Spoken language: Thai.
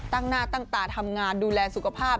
ตั้งหน้าตั้งตาทำงานดูแลสุขภาพ